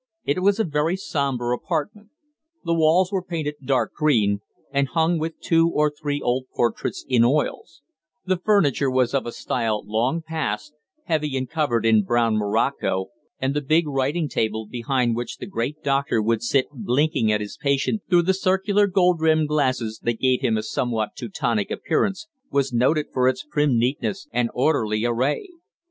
It was a very sombre apartment. The walls were painted dark green and hung with two or three old portraits in oils; the furniture was of a style long past, heavy and covered in brown morocco, and the big writing table, behind which the great doctor would sit blinking at his patient through the circular gold rimmed glasses, that gave him a somewhat Teutonic appearance, was noted for its prim neatness and orderly array.